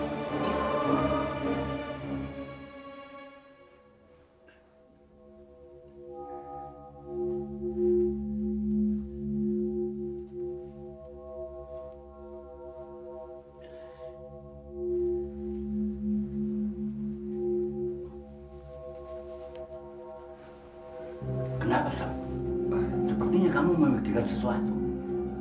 kenapa sab sepertinya kamu membuktikan sesuatu